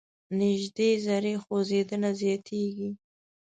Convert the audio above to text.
نژدې ذرې خوځیدنه زیاتیږي.